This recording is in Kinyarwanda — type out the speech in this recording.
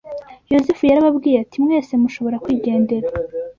Yozefu yarababwiye ati mwese mushobora kwigendera